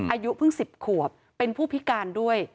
อายุเพิ่ง๑๐ขวบเป็นผู้พิการด้วย